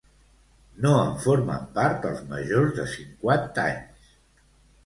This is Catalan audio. No en formen part els majors de cinquanta anys.